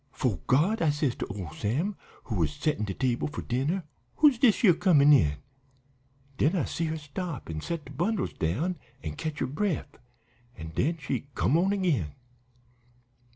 ''Fo' God,' I says to ole Sam, who was settin' de table for dinner, 'who's dis yere comin' in?' Den I see her stop an' set de bundles down an' catch her bref, and den she come on agin.